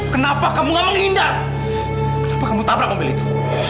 kenapa kamu gak menghindar kenapa kamu tabrak mobil itu